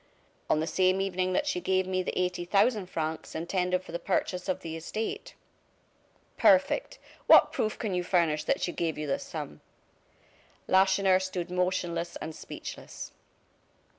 "On the same evening that she gave me the eighty thousand francs intended for the purchase of the estate." "Perfect! What proof can you furnish that she gave you this sum?" Lacheneur stood motionless and speechless.